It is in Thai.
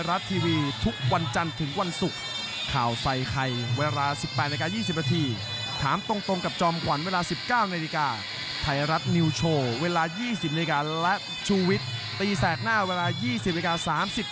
และชูวิทย์ตีแสกหน้าเวลา๒๐๓๐นาทีครับ